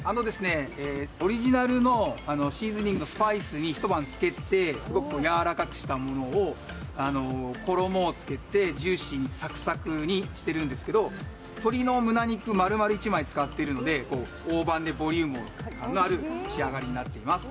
オリジナルのシーズニングスパイスに一晩漬けて、すごくやわらかくしたものを衣をつけてジューシーにサクサクにしてるんですけど、鶏のむね肉丸々１枚使っているので大判でボリュームのある仕上がりになっています。